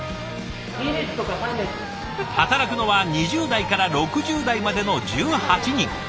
働くのは２０代から６０代までの１８人。